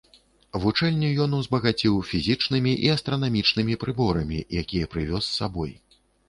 Вучэльню ён узбагаціў фізічнымі і астранамічнымі прыборамі, якія прывёз з сабой.